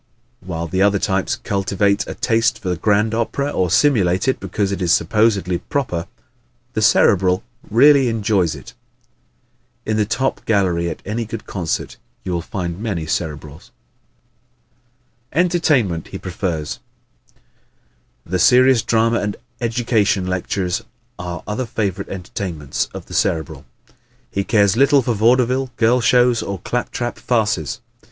While the other types cultivate a taste for grand opera or simulate it because it is supposedly proper, the Cerebral really enjoys it. In the top gallery at any good concert you will find many Cerebrals. Entertainment He Prefers ¶ The serious drama and educational lectures are other favorite entertainments of the Cerebral. He cares little for vaudeville, girl shows, or clap trap farces.